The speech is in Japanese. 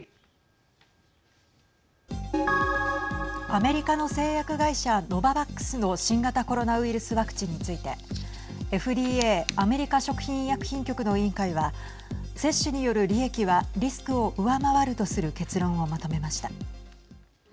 アメリカの製薬会社ノババックスの新型コロナウイルスワクチンについてＦＤＡ＝アメリカ食品医薬品局の委員会は接種による利益はリスクを上回るとする結論をまとめました。